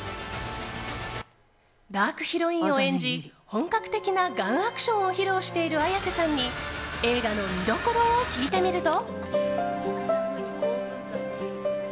ダークヒロインを演じ、本格的なガンアクションを披露している綾瀬さんに映画の見どころを聞いてみると。